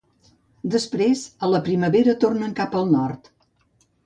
Després a la primavera tornen cap al nord.